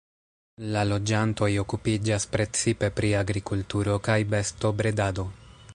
La loĝantoj okupiĝas precipe pri agrikulturo kaj bestobredado.